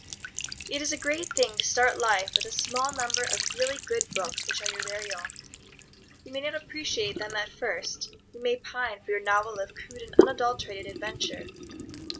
It is a great thing to start life with a small number of really good books which are your very own. You may not appreciate them at first. You may pine for your novel of crude and unadulterated adventure.